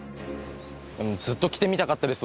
ずっと来てみたかったです